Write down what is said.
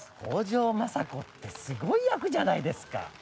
北条政子ってすごい役じゃないですか。